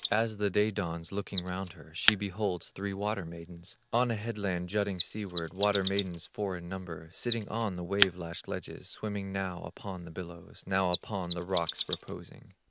As the day dawns, looking round her, She beholds three water maidens, On a headland jutting seaward, Water maidens four in number, Sitting on the wave lashed ledges, Swimming now upon the billows, Now upon the rocks reposing.